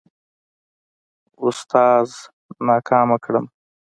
اوستاذ ناکامه کړمه.